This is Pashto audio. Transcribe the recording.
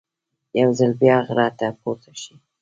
یو ځل بیا غره ته پورته شي.